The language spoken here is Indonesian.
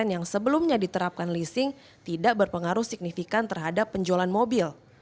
yang sebelumnya diterapkan leasing tidak berpengaruh signifikan terhadap penjualan mobil